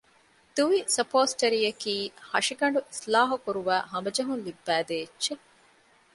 ދުވި ސަޕޯސްޓަރީއަކީ ހަށިގަނޑު އިޞްލާޙުކުރުވައި ހަމަޖެހުން ލިއްބައިދޭ އެއްޗެއް